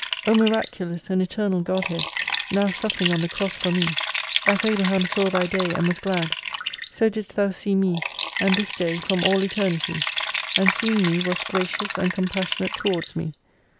O miraculous and eternal Godhead, now suffering on the cross for me : As Abraham saw thy Day and was glad, so didst Thou see me and this Day from all Eternity, and seeing me wast Gracious and Compassionate towards me.